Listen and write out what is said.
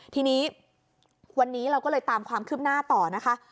ทีนี้วันนี้เราก็เลยตามความคืบหน้าต่อนะคะ